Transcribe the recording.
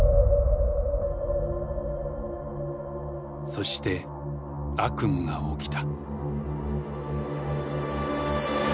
そして悪夢が起きた。